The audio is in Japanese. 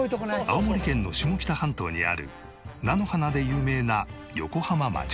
青森県の下北半島にある菜の花で有名な横浜町。